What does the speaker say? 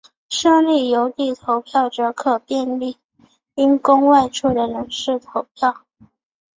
设立邮递投票则可便利因公外出的人士投票。